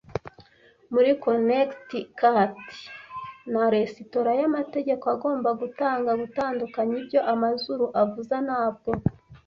Muri Connecticut na resitora yamategeko agomba gutanga gutandukanya ibyo Amazuru avuza - ntabwo